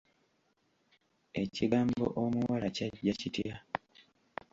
Ekigambo omuwala kyajja kitya?